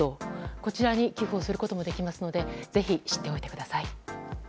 こちらに寄付をすることもできますのでぜひ、知っておいてください。